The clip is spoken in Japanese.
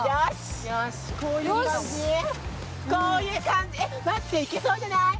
こういう感じえっ待っていけそうじゃない？